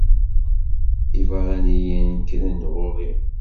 Iberraniyen kkren-d ɣur-i.